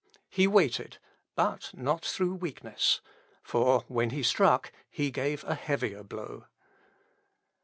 He waited, but not through weakness; for when he struck he gave a heavier blow.